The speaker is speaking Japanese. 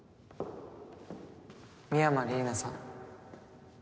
美山李里奈さん。